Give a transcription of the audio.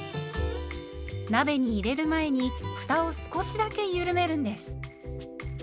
鍋に入れる前にふたを少しだけゆるめるんです。